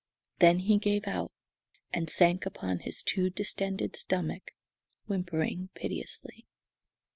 Then he gave out, and sank upon his too distended stomach, whimpering piteously.